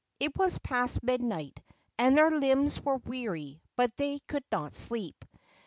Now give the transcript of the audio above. It was past midnight, and their limbs were weary, but they could not sleep.